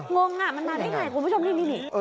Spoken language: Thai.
มันมาได้ไงคุณผู้ชมนี่